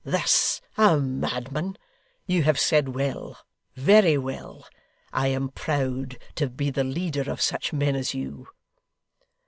THIS a madman! You have said well, very well. I am proud to be the leader of such men as you.